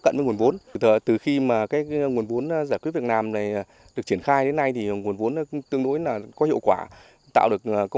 các mô hình này được vay từ quỹ quốc gia giải quyết việc làm đã hỗ trợ rất lớn cho vấn đề giải quyết việc làm tại chỗ